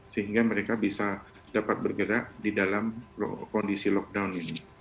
sehingga mereka bisa dapat bergerak di dalam kondisi lockdown ini